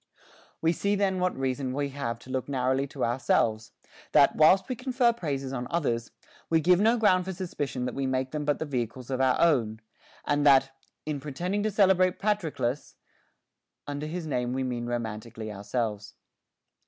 We see then what reason we have to look narrowly to ourselves, that, whilst we confer praises on others, we give no ground for suspicion that we make them but the vehicles of our own, and that, " in pretending to celebrate Patroclus," under his name we mean romantically ourselves.